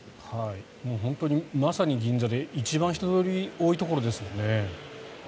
本当にまさに銀座で一番人通りが多いところですもんね。